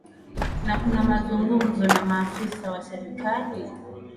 na kuna mazungumzo na maafisa wa serikali